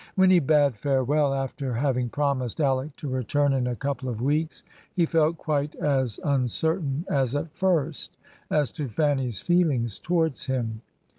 When he bade farewell, after having promised Alick to return in a couple of weeks, he felt quite as uncertain as at first as to Fanny's feelings towards him.